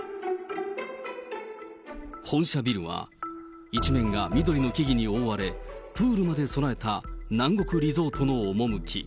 本社ビルは一面が緑の木々に覆われ、プールまで備えた南国リゾートの趣。